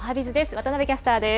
渡部キャスターです。